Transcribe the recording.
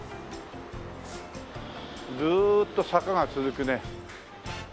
ずーっと坂が続くね。